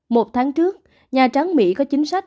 một tháng trước nhà tráng mỹ có chính sách